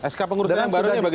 sk pengurusan yang baru bagaimana